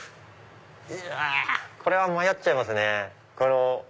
いやこれは迷っちゃいますね。